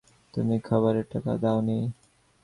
তুমি খাবারের টাকা দাওনি।